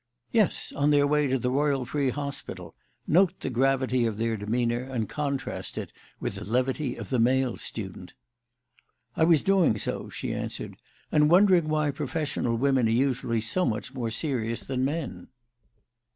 "Yes, on their way to the Royal Free Hospital. Note the gravity of their demeanour and contrast it with the levity of the male student." "I was doing so," she answered, "and wondering why professional women are usually so much more serious than men."